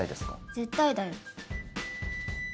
絶対だよ。